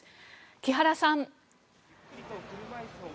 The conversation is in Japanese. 木原さん。